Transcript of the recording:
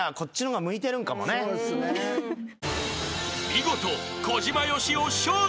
［見事］